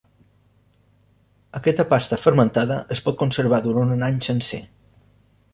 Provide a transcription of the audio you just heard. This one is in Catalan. Aquesta pasta fermentada es pot conservar durant un any sencer.